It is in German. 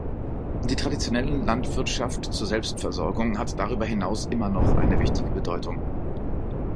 Die traditionellen Landwirtschaft zur Selbstversorgung hat darüber hinaus immer noch eine wichtige Bedeutung.